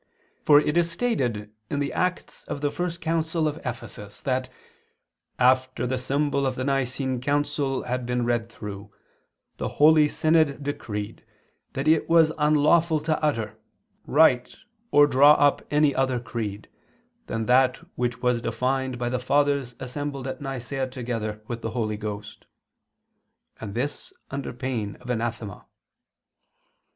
For it is stated in the acts of the first* council of Ephesus (P. ii, Act. 6) that "after the symbol of the Nicene council had been read through, the holy synod decreed that it was unlawful to utter, write or draw up any other creed, than that which was defined by the Fathers assembled at Nicaea together with the Holy Ghost," and this under pain of anathema.